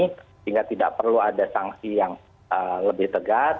sehingga tidak perlu ada sanksi yang lebih tegas